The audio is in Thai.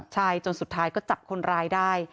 ใช่จนสุดท้ายก็จับคนร้ายได้